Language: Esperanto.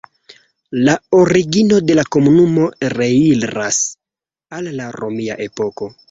La origino de la komunumo reiras al la romia epoko.